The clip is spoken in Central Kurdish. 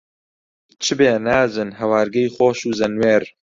چ بێ نازن، هەوارگەی خۆش و زەنوێر